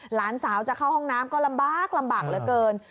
หลานสาวจะเข้าห้องน้ำก็ลำบากลำบากเหลือเกิน